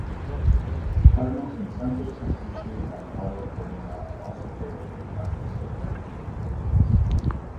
Cardinals Vincenzo Santucci and Carlo Colonna are also buried in the archbasilica.